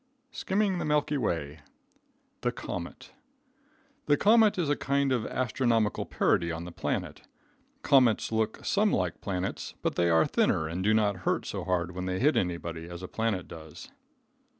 Skimming the Milky Way. THE COMET. The comet is a kind of astronomical parody on the planet. Comets look some like planets, but they are thinner and do not hurt so hard when they hit anybody as a planet does.